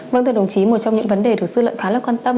vâng thưa đồng chí một trong những vấn đề được sư lợi khá là quan tâm